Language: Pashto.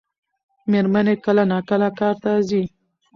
مېرمن یې کله ناکله کار ته ځي.